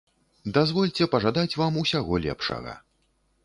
Дазвольце пажадаць вам усяго лепшага.